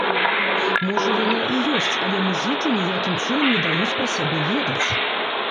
Можа яна і ёсць, але музыкі ніякім чынам не даюць пра сябе ведаць.